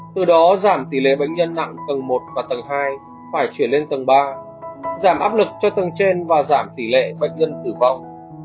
từ đó giảm tỷ lệ bệnh nhân nặng tầng một và tầng hai phải chuyển lên tầng ba giảm áp lực cho tầng trên và giảm tỷ lệ bệnh nhân tử vong